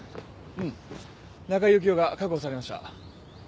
うん中井幸雄が確保されました